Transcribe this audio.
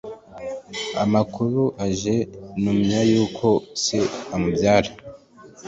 amakuru aje numya yuko se umubyara,